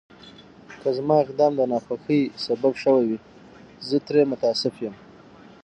که زما اقدام د ناخوښۍ سبب شوی وي، زه ترې متأسف یم.